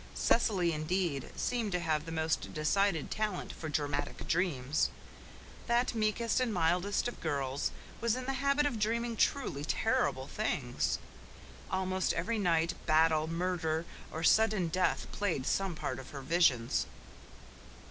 Cecily, indeed, seemed to have the most decided talent for dramatic dreams. That meekest and mildest of girls was in the habit of dreaming truly terrible things. Almost every night battle, murder, or sudden death played some part in her visions.